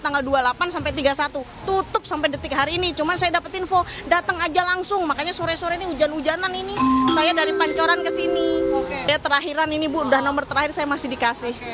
terakhiran ini bu nomor terakhir saya masih dikasih